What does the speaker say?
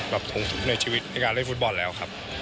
กับทรงศุกร์ในชีวิตในการเล่นฝุทบอลแล้วครับ